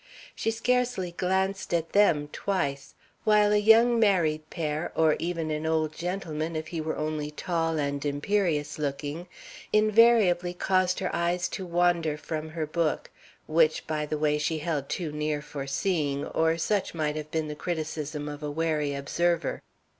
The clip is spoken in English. She scarcely glanced at them twice, while a young married pair, or even an old gentleman, if he were only tall and imperious looking, invariably caused her eyes to wander from her book, which, by the way, she held too near for seeing, or such might have been the criticism of a wary observer.